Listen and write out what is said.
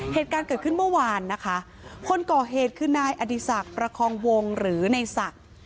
เหตุการณ์เกิดขึ้นเมื่อวานนะคะคนก่อเหตุคือนายอดีศักดิ์ประคองวงหรือในศักดิ์